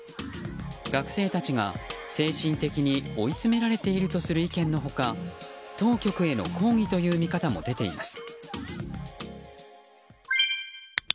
学生たちが、精神的に追い詰められているとする意見の他当局への抗議という見方も出ています。